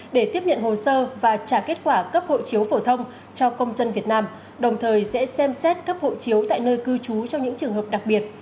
để tiếp nhận hồ sơ và trả kết quả cấp hộ chiếu phổ thông cho công dân việt nam đồng thời sẽ xem xét cấp hộ chiếu tại nơi cư trú cho những trường hợp đặc biệt